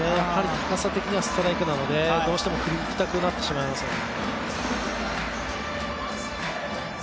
高さ的にはストライクなので、どうしても振りたくなってしまいますよね。